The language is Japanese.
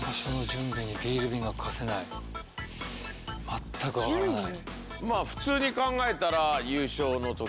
全く分からない。